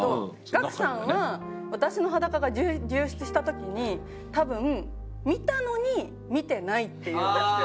ガクさんは私の裸が流出した時に多分見たのに「見てない」って言うんですよ。